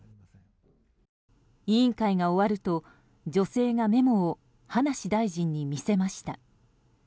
委員会が終わると女性がメモを葉梨大臣に見せました。